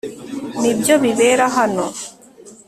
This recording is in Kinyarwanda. nibyo bibera hano